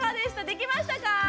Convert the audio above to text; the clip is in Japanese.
できましたか？